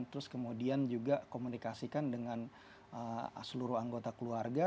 terus kemudian juga komunikasikan dengan seluruh anggota keluarga